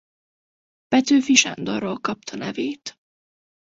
Petőfi Sándorról kapta nevét.